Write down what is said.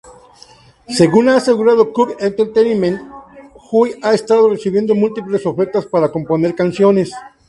Según ha asegurado Cube Entertainment, Hui ha estado recibiendo múltiples ofertas para componer canciones.